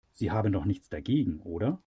Sie haben doch nichts dagegen, oder?